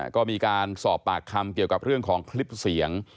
ก็มีการสอบปากคำเกี่ยวกับเรื่องของคลิปเสียง